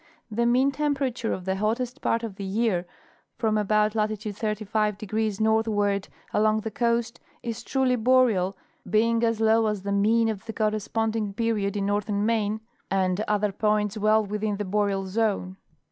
The mean temperature of the hottest part of the year from about latitude 35° northward along the coast is truly boreal, being as low as the mean of the correspond ing period in northern Maine and other points well within the Boreal zone.